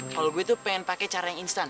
kalau gue tuh pengen pakai cara yang instan